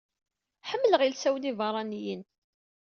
Ḥemmleɣ ilsawen ibeṛṛaniyen!